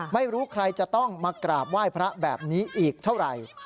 ไม่รู้ใครจะต้องมากราบไหว้พระแบบนี้อีกเท่าไหร่